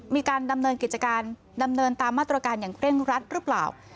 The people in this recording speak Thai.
มีการดำเนินกิจการดำเนินตามมาตรการอย่างเร่งรัดหรือเปล่า